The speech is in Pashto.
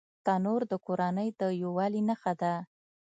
تنور د کورنۍ د یووالي نښه ده